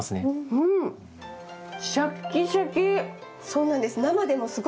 そうなんです。